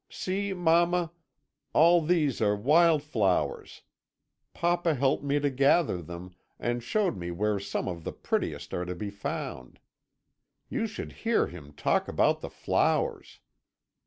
See, mamma, all these are wild flowers papa helped me to gather them, and showed me where some of the prettiest are to be found. You should hear him talk about the flowers!